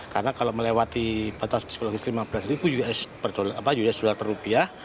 karena kalau melewati batas psikologis rp lima belas usd per rupiah